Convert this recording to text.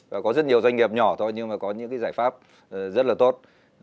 và có rất nhiều doanh nghiệp nhỏ thôi nhưng mà có những cái giải pháp rất là tốt